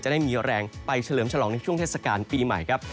ได้มีแรงไปเฉลิมฉลองในช่วงเทศกาลปีใหม่ครับ